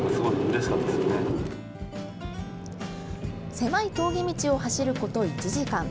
狭い峠道を走ること１時間。